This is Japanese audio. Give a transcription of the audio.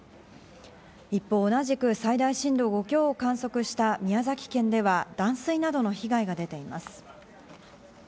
一方、同じく最大震度５強を観測した宮崎県では断水などの被害が出ています。